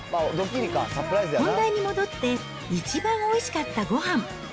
本題に戻って、一番おいしかったごはん。